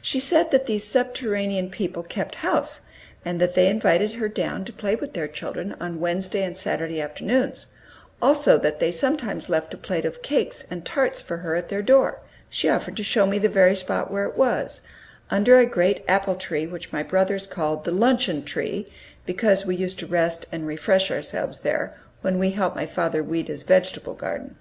She said that these subterranean people kept house, and that they invited her down to play with their children on Wednesday and Saturday afternoons; also that they sometimes left a plate of cakes and tarts for her at their door: she offered to show me the very spot where it was, under a great apple tree which my brothers called "the luncheon tree," because we used to rest and refresh ourselves there, when we helped my father weed his vegetable garden.